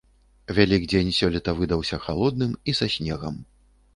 Вялікдзень сёлета выдаўся халодным і са снегам.